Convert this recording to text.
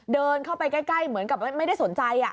เดินเข้าไปใกล้เหมือนกับไม่ได้สนใจ